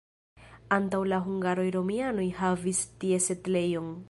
Antaŭ la hungaroj romianoj havis tie setlejon.